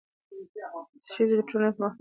ښځې د ټولنې په پرمختګ کې اساسي رول لري.